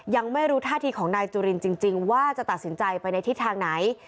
ยังไม่รู้ท่าทีของนายจุลินจริงว่าจะตัดสินใจไปในทิศทางไหน